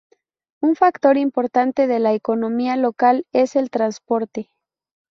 Un factor importante de la economía local es el transporte.